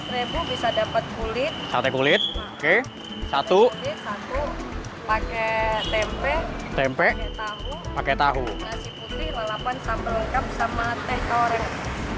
tempe pakai tahu nasi putih lelapan sambal lengkap sama teh korek